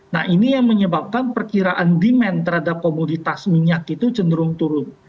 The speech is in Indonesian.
nah ini yang menyebabkan perkiraan demand terhadap komoditas minyak itu cenderung turun